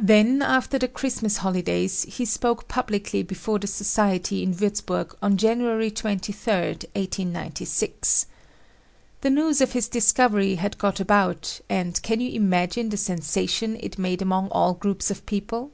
Then after the Christmas holidays he spoke publicly before the Society in Wurzburg on January 23, 1896. The news of his discovery had got about and can you imagine the sensation it made among all groups of people?